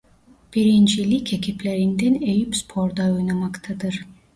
Birinci Lig ekiplerinden Eyüpspor'da oynamaktadır.